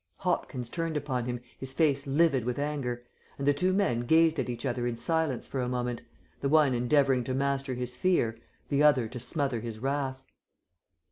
Hopkins turned upon him, his face livid with anger, and the two men gazed at each other in silence for a moment, the one endeavouring to master his fear, the other to smother his wrath.